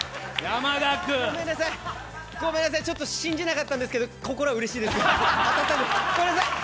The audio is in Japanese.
ごめんなさい、ちょっと信じなかったんですけど心はうれしいです、当たったので。